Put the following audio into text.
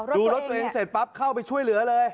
ดูรถตัวเองเสร็จปั๊บเข้าไปช่วยเหลือเลย